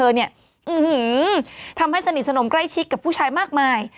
ทำให้สนิทสนมใกล้ชิดกับผู้ชายมากมาย